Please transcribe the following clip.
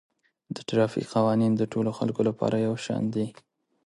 د ټرافیک قوانین د ټولو خلکو لپاره یو شان دي